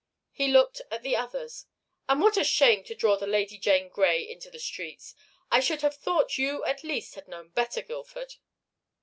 He looked at the others. "And what a shame to draw the Lady Jane Grey into the streets! I should have thought you at least had known better, Guildford."